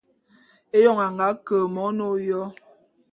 Éyoň a nga ke mon ôyo.